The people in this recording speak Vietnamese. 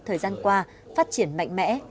thời gian qua phát triển mạnh mẽ